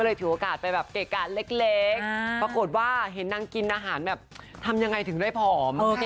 ถือโอกาสไปแบบเกะกะเล็กปรากฏว่าเห็นนางกินอาหารแบบทำยังไงถึงได้ผอม